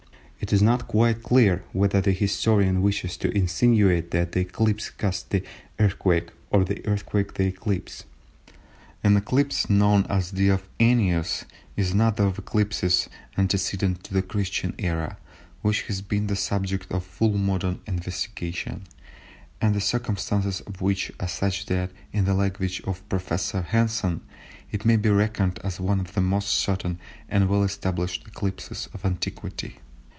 It is not quite clear whether the historian wishes to insinuate that the eclipse caused the earthquake or the earthquake the eclipse. An eclipse known as that of Ennius is another of the eclipses antecedent to the Christian Era which has been the subject of full modern investigation, and the circumstances of which are such that, in the language of Professor Hansen, "it may be reckoned as one of the most certain and well established eclipses of antiquity."